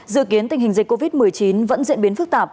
dự kiến tình hình dịch covid một mươi chín vẫn diễn biến phức tạp